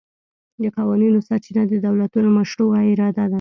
د قوانینو سرچینه د دولتونو مشروعه اراده ده